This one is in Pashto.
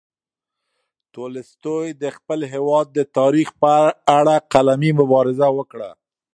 تولستوی د خپل هېواد د تاریخ په اړه قلمي مبارزه وکړه.